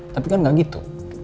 tapi kan enggak gitu